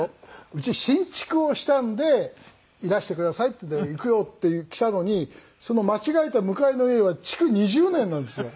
「うち新築をしたんでいらしてください」って言って「行くよ」って来たのにその間違えた向かいの家は築２０年なんですよ。